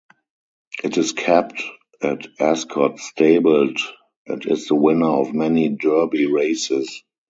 It is kept at Ascot Stables and is the winner of many derby races.